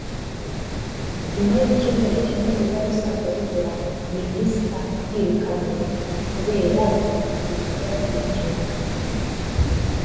nyuma y’icyumweru kimwe uwari usanzwe ayobora Minusca yirukanwe kubera ibikorwa nk’ibyo